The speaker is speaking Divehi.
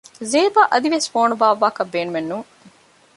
ޒޭބާ އަދިވެސް ފޯނު ބާއްވާކަށް ބޭނުމެއް ނޫން